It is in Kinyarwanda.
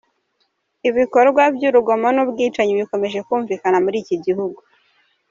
Ibikorwa by’urugomo n’ubwicanyi bikomeje kumvikana muri iki gihugu.